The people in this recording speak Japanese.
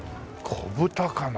こぶ高菜。